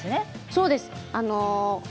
そうですね。